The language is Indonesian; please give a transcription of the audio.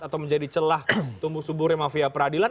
atau menjadi celah tumbuh suburnya mafia peradilan